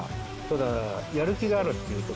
ただやる気があるっていう事。